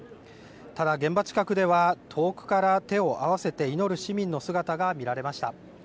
ただ現場近くでは遠くから手を合わせて祈る市民の姿が見られました。